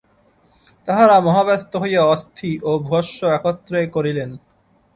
তাঁহারা মহাব্যস্ত হইয়া অস্থি ও ভস্ম একত্রে করিলেন।